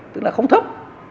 tức là không thấp